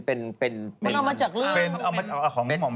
เอามาจากเรื่อง